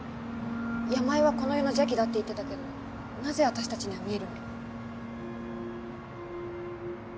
山江はこの世の邪気だって言ってたけどなぜ私たちには見えるの？